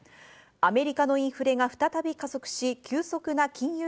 アメリカのインフレが再び加速し、急速な金融